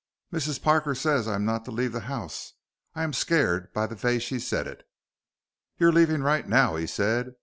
"Mrs. Parker says I am not to leave the house. I am scared by the vay she said it." "You're leaving right now," he said.